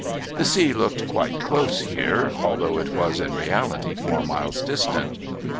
The sea looked quite close here, although it was in reality four miles distant.